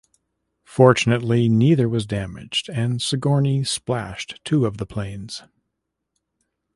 Fortunately, neither was damaged, and "Sigourney" splashed two of the planes.